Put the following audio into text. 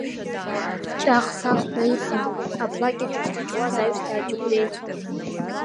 Ҷах-сахҳәа иԥон аԥлакь аҿы ирҷыҷуаз аҩсҭаа џьықәреицқәа…